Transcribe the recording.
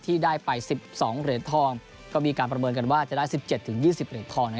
ที่ได้ไป๑๒เหรียญทองก็มีการประเมินกันว่าจะได้๑๗๒๐เหรียญทอง